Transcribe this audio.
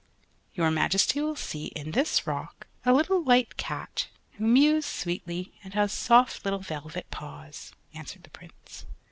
"Your Majesty will see in this rock a little White Cat who mews sweetly and has soft little velvet paws," answered the Prince.